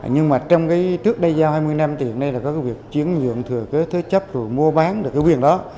nhưng mà trong cái trước đây giao hai mươi năm thì hiện nay là có cái việc chuyển nhượng thừa kế thế chấp rồi mua bán được cái quyền đó